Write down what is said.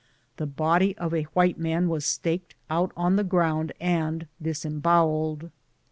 The body of a white man was staked out on the ground and disembowelled.